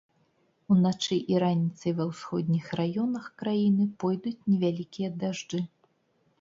Уначы і раніцай ва ўсходніх раёнах краіны пойдуць невялікія дажджы.